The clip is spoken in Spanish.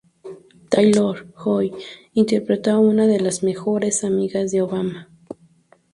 Taylor-Joy interpretó a una de las mejores amigas de Obama.